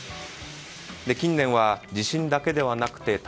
近年は、地震だけじゃなくて